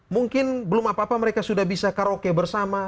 mungkin belum apa apa mereka sudah bisa karaoke bersama